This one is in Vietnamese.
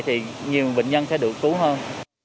thì nhiều bệnh nhân sẽ được cứu hơn